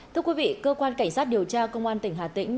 thưa quý vị cơ quan cảnh sát điều tra công an tỉnh hà tĩnh